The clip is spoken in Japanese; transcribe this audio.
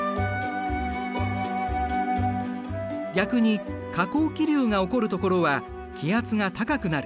逆に下降気流が起こるところは気圧が高くなる。